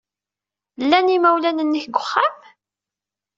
Llan yimawlan-nnek deg uxxam?